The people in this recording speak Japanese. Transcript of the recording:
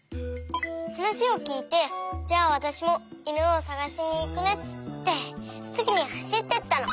はなしをきいてじゃあわたしもいぬをさがしにいくねってすぐにはしっていったの。